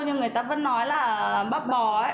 nhưng người ta vẫn nói là bắp bò ấy